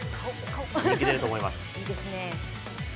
人気出ると思います。